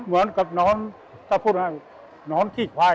เหมือนกับนอนถ้าพูดว่านอนขี้ควาย